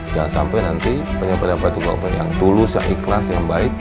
jangan sampai nanti penyampaian pendapat di muka umum yang tulus yang ikhlas yang baik